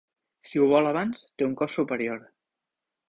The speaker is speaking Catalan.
Si ho vol abans, té un cost superior.